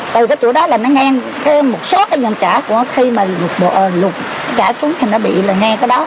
từ cái chỗ đó là nó ngang một số cái dòng chảy của nó khi mà lục chảy xuống thì nó bị là ngang cái đó